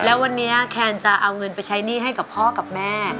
แล้ววันนี้แคนจะเอาเงินไปใช้หนี้ให้กับพ่อกับแม่